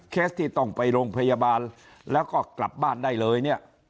ที่ต้องไปโรงพยาบาลแล้วก็กลับบ้านได้เลยเนี่ย